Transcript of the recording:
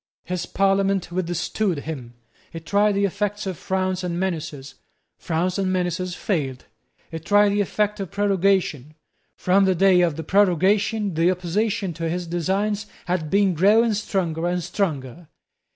His Parliament withstood him. He tried the effects of frowns and menaces. Frowns and menaces failed. He tried the effect of prorogation. From the day of the prorogation the opposition to his designs had been growing stronger and stronger.